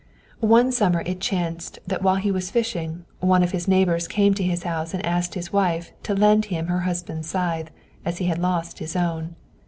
One summer it chanced that while he was fishing, one of his neighbors came to his house and asked his wife to lend him her husband's scythe, as he had lost his own.